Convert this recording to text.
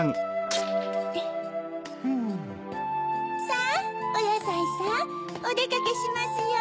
さぁおやさいさんおでかけしますよ！